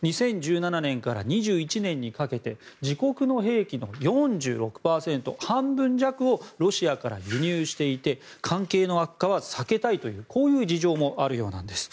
２０１７年から２１年にかけて自国の兵器の４６％半分弱をロシアから輸入していて関係の悪化は避けたいというこういう事情もあるようなんです。